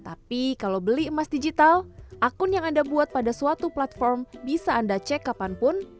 tapi kalau beli emas digital akun yang anda buat pada suatu platform bisa anda cek kapanpun